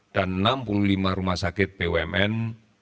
dan enam puluh lima rumah sakit pwmn